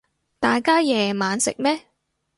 大家夜晚食咩